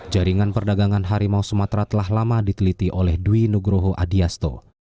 jaringan perdagangan harimau sumatera telah lama diteliti oleh dwi nugroho adiasto